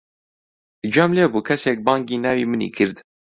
گوێم لێ بوو کەسێک بانگی ناوی منی کرد.